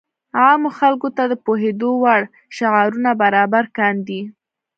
عامو خلکو ته د پوهېدو وړ شعارونه برابر کاندي.